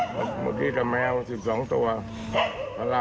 เมื่อกี้กับแมว๑๒ตัวพระราม๒อ่ะล่ะ